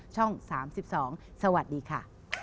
ช่อง๓๒สวัสดีค่ะ